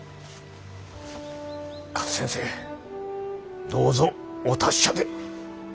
勝先生どうぞお達者で。